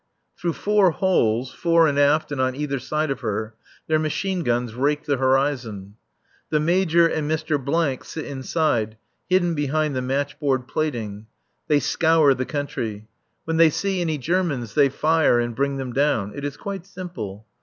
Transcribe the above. Through four holes, fore and aft and on either side of her, their machine guns rake the horizon. The Major and Mr. sit inside, hidden behind the matchboard plating. They scour the country. When they see any Germans they fire and bring them down. It is quite simple.